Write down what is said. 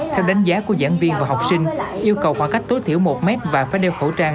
theo đánh giá của giảng viên và học sinh yêu cầu khoảng cách tối thiểu một mét và phải đeo khẩu trang